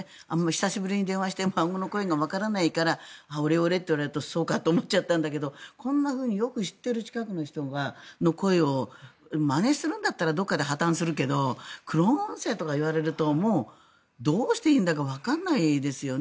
今までは孫が久しぶりに電話してきて孫の声がわからないからオレオレと言われるとそうかと思っちゃったんだけどこんなふうによく知ってる近くの人の声をまねするんだったらどこかで破たんするけどクローン音声とか言われるともうどうしていいんだかわからないですよね。